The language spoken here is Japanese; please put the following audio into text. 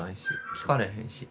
聞かれへんし。